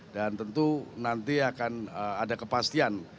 dan tentu nanti akan ada kepastian